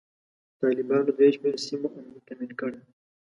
طالبانو د یو شمیر سیمو امنیت تامین کړی.